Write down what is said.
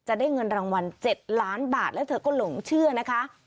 จะได้เงินรางวัล๗ล้านบาทแล้วเธอก็หลงเชื่อนะคะ